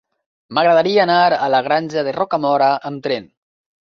M'agradaria anar a la Granja de Rocamora amb tren.